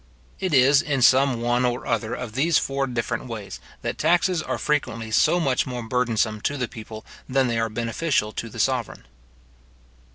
It is in some one or other of these four different ways, that taxes are frequently so much more burdensome to the people than they are beneficial to the sovereign.